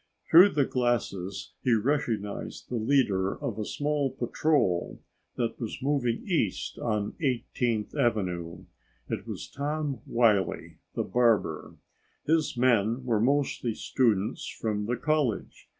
Through the glasses he recognized the leader of a small patrol that was moving east on 18th Avenue. It was Tom Wiley, the barber. His men were mostly students from the college.